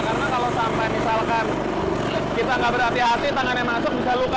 karena kalau sampai misalkan kita nggak berhati hati tangannya masuk bisa luka